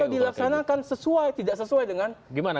atau dilaksanakan sesuai tidak sesuai dengan